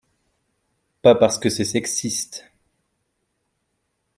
Pas parce que c’est sexiste…